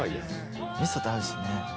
味噌と合うしね。